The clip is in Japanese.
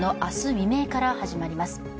未明から始まります。